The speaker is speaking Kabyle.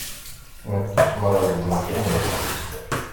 Nekk ttusemreɣ deg umkan-iw.